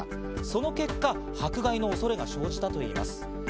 その結果、迫害の恐れが生じたといいます。